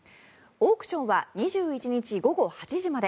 オークションは２１日午後８時まで。